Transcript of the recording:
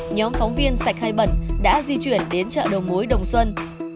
nhóm phóng viên sạch hai bẩn đã di chuyển đến chợ đầu mối đồng xuân